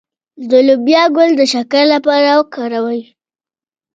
د لوبیا ګل د شکر لپاره وکاروئ